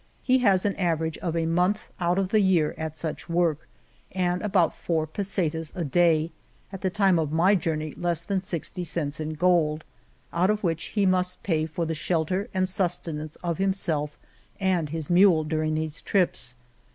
He has an average of a month out of the year at such work, and about four pesetas a day (at the time of my journey less than sixty cents in gold), out of which he must pay for the shelter and sustenance of himself and his mule during these trips.